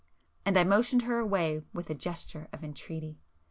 And I motioned her away with a gesture of entreaty.